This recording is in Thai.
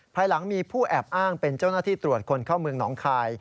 ภายหลังมีผู้แอบอ้างเป็นเจ้าหน้าที่ตรวจคนเข้าเมืองหนองคาย